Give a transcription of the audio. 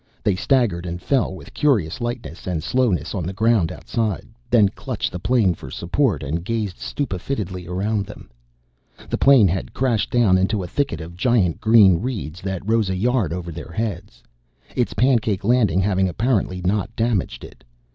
They staggered and fell, with curious lightness and slowness, on the ground outside, then clutched the plane for support and gazed stupefiedly around them. The plane had crashed down into a thicket of giant green reeds that rose a yard over their heads, its pancake landing having apparently not damaged it.